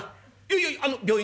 「いやいやあの病院